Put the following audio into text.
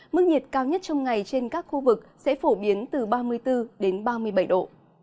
mức nhiệt cao nhất trong ngày trên các khu vực sẽ phổ biến từ ba mươi bốn đến ba mươi bảy độ